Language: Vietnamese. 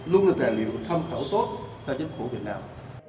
luôn là tài liệu thăm khẩu tốt cho chính phủ việt nam